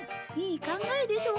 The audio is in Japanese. いい考えでしょ？